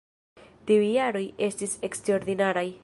Tiuj jaroj estis eksterordinaraj.